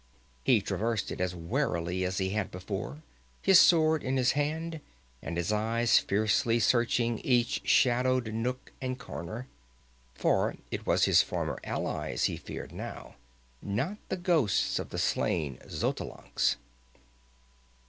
He traversed it as warily as he had before, his sword in his hand, and his eyes fiercely searching each shadowed nook and corner; for it was his former allies he feared now, not the ghosts of the slain Xotalancas.